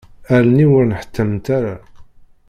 Allen-iw ur nneḥtament ara.